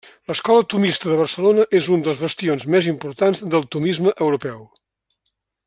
L'Escola tomista de Barcelona és un dels bastions més importants del tomisme europeu.